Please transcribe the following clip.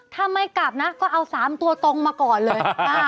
ถ้าไม่กลับนะก็เอา๓ตัวตรงมาก่อนเลย